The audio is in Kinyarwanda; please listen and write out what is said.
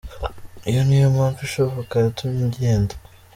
Iyo niyo mpamvu ishoboka yatumye agenda.